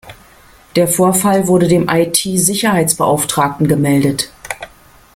Der Vorfall wurde dem I-T-Sicherheitsbeauftragten gemeldet.